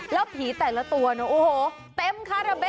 แล้วผีแต่ละตัวนะโอ้โหเต็มคาราเบะ